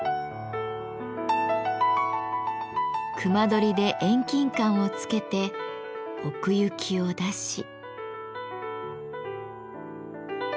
隈取りで遠近感をつけて奥行きを出し。